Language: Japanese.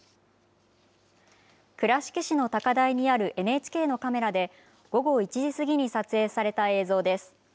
倉敷市の高台にあるＮＨＫのカメラで、午後１時過ぎに撮影された映像です。